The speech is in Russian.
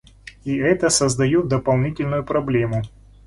И это создает дополнительную проблему.